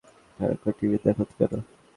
সারাক্ষন টিভি দেখ কেনো?